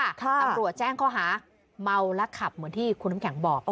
ตำรวจแจ้งข้อหาเมาและขับเหมือนที่คุณน้ำแข็งบอก